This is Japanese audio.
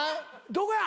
どこや？